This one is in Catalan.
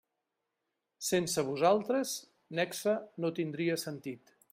Sense vosaltres Nexe no tindria sentit.